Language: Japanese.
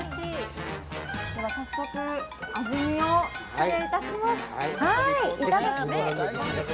早速、味見を失礼いたします。